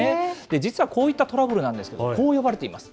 実はこういったトラブルなんですけど、こう呼ばれています。